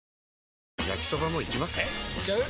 えいっちゃう？